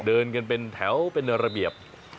เดินกันเป็นแถวเป็นระเบียบ